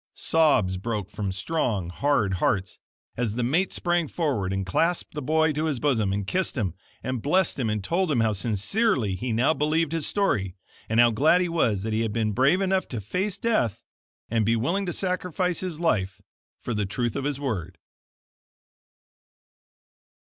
Sobs broke from strong, hard hearts, as the mate sprang forward and clasped the boy to his bosom, and kissed him, and blessed him, and told him how sincerely he now believed his story and how glad he was that he had been brave enough to face death and be willing to sacrifice his life for the truth of his word.